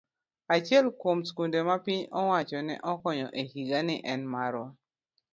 Achiel kuom skunde ma piny owacho ne okonyo e higani en marwa.